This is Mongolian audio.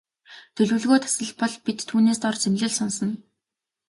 Төлөвлөгөө тасалбал бид түүнээс дор зэмлэл сонсоно.